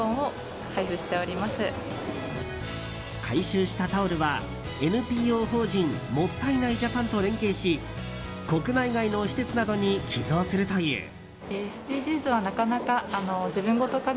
回収したタオルは、ＮＰＯ法人もったいないジャパンと連携し国内外の施設などに寄贈するという。